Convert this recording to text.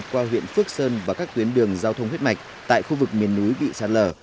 qua huyện phước sơn và các tuyến đường giao thông huyết mạch tại khu vực miền núi bị sạt lở